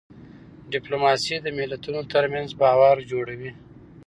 ډيپلوماسي د ملتونو ترمنځ باور جوړوي.